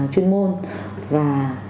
chuyên môn và